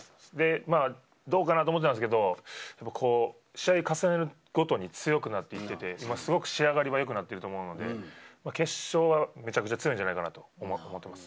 どうかなと思ってたんですけれども、試合を重ねるごとに強くなっていってて、すごく仕上がりはよくなってると思うので、決勝はめちゃくちゃ強いんじゃないかなと思ってます。